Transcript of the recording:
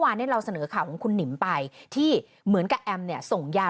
วันนี้เราเสนอข่าวของคุณหนิมไปที่เหมือนกับแอมเนี่ยส่งยา